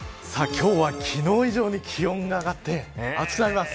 今日は昨日以上に気温が上がって暑くなります。